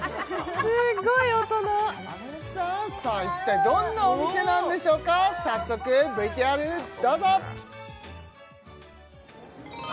すっごい大人さあ一体どんなお店なんでしょうか早速ＶＴＲどうぞ！